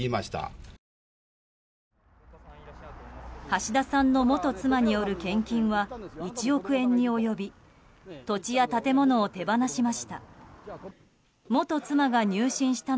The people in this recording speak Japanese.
橋田さんの元妻による献金は１億円に及び土地や建物を手放しました。